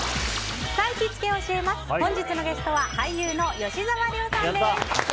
本日のゲストは俳優の吉沢亮さんです。